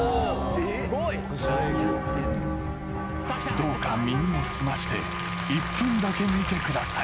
どうか耳をすまして１分だけ見てください